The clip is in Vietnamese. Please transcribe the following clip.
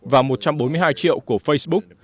và một trăm bốn mươi hai triệu của facebook